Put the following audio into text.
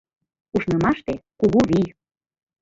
Ушнымаште — кугу вий